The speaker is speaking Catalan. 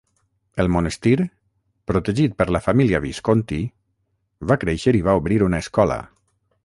El monestir, protegit per la família Visconti, va créixer i va obrir una escola.